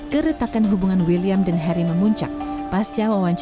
keretakan hubungan william dan harry memuncak pasca wawancara harry dan meghan dengan oprah winfrey